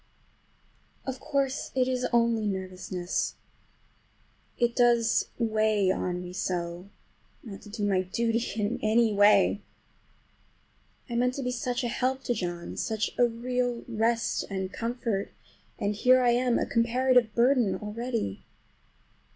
Of course it is only nervousness. It does weigh on me so not to do my duty in any way! I meant to be such a help to John, such a real rest and comfort, and here I am a comparative burden already!